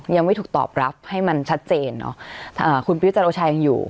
ยังไม่ถูกตอบรับให้มันชัดเจนเนาะคุณพิวจันโอชายังอยู่